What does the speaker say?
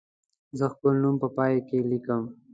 زه خپل نوم په پای کې لیکم.